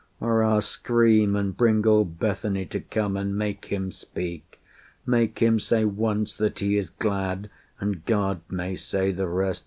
or I'll scream and bring all Bethany To come and make him speak. Make him say once That he is glad, and God may say the rest.